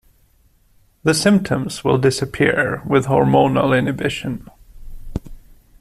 The symptoms will disappear, with hormonal inhibition.